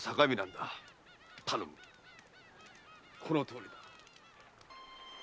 このとおりだ。